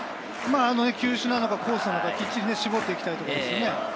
球種なのかコースなのか、しっかり絞っていきたいですね。